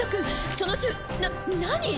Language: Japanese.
その銃な何？